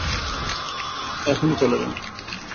এখনই চলে যান।